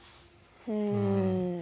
うん。